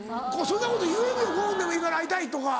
そんなこと言えるよ「５分でもいいから会いたい」とか。